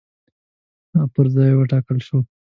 هغه پر ځای وټاکل شو.